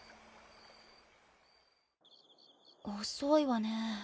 遅いわね。